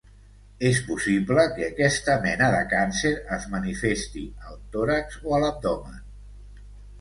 És possible que aquesta mena de càncer es manifesti al tòrax o a l'abdomen.